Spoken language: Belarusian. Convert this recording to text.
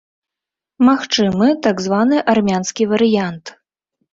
Магчымы так званы армянскі варыянт.